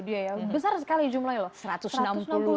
dia ya besar sekali jumlahnya loh